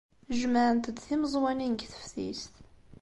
Jemɛent-d timeẓwanin deg teftist.